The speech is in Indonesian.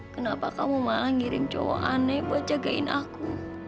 kenapa kamu malah ngiring cowok aneh buat jagain aku